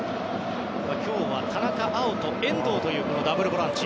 今日は田中碧と遠藤というダブルボランチ。